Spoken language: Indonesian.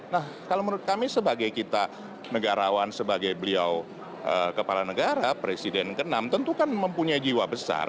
nah kalau menurut kami sebagai kita negarawan sebagai beliau kepala negara presiden ke enam tentu kan mempunyai jiwa besar